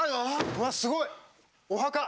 うわすごい！お墓。